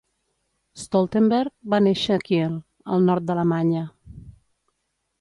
Stoltenberg va néixer a Kiel, al nord d'Alemanya.